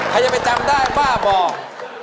ใครจะไปจำได้ป้าบอก